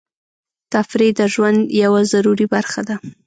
تفریح د ژوند یوه ضروري برخه ده.